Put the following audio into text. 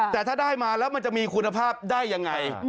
แต่ถ้าได้มาแล้วมันจะมีคุณภาพได้ยังไง